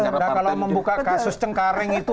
kalau membuka kasus cengkaring itu